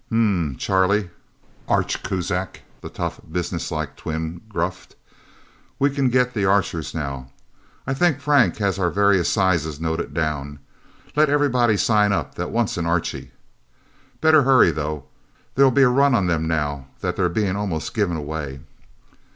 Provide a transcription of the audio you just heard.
"Umhmm, Charlie," Art Kuzak, the tough, business like twin, gruffed. "We can get the Archers, now. I think Frank has our various sizes noted down. Let everybody sign up that wants an Archie. Better hurry, though there'll be a run on them now that they're being almost given away...